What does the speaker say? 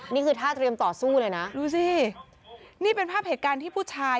นี่คือท่าเตรียมต่อสู้เลยนะดูสินี่เป็นภาพเหตุการณ์ที่ผู้ชาย